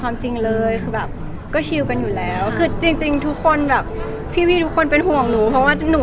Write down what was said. ว่ามันเกิดเรื่องแบบนี้ขึ้นอย่างไรบ้าง